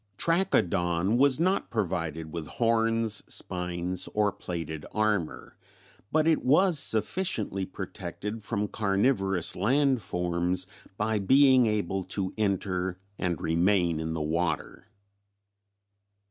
Trachodon was not provided with horns, spines or plated armor, but it was sufficiently protected from carnivorous land forms by being able to enter and remain in the water.